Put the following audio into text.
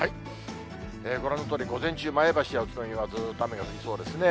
ご覧のとおり、午前中、前橋や宇都宮はずっと雨が降りそうですね。